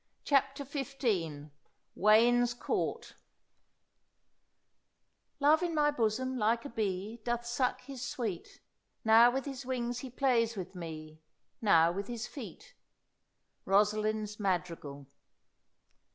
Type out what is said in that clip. CHAPTER XV WAYNE'S COURT "Love in my bosom, like a bee, Doth suck his sweet; Now with his wings he plays with me, Now with his feet." ROSALIND'S MADRIGAL.